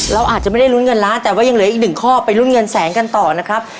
เราอาจจะไม่ได้ลุ้นเงินล้านแต่ว่ายังเหลืออีกหนึ่งข้อไปลุ้นเงินแสนกันต่อนะครับ